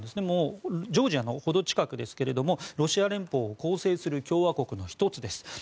もうジョージアの程近くですけれどもロシア連邦を構成する共和国の１つです。